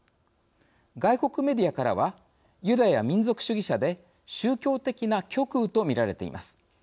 外国メディアからはユダヤ民族主義者で宗教的な極右とみられています。